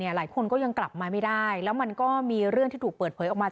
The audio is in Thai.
มีความขัดแย่ล่ะนะเหรอค่ะ